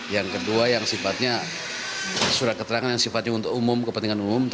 yang kedua yang sifatnya surat keterangan yang sifatnya untuk umum kepentingan umum